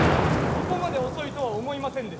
ここまで遅いとは思いませんでした。